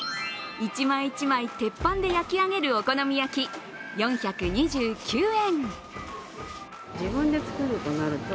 １枚１枚、鉄板で焼き上げるお好み焼き、４２９円。